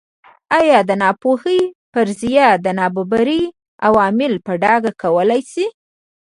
ایا د ناپوهۍ فرضیه د نابرابرۍ عوامل په ډاګه کولای شي.